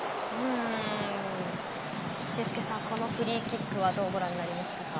俊輔さん、このフリーキックはどうご覧になりましたか？